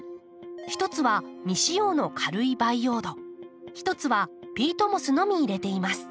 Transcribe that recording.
一つは未使用の軽い培養土一つはピートモスのみ入れています。